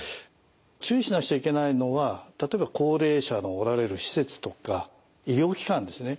注意しなくちゃいけないのは例えば高齢者のおられる施設とか医療機関ですね。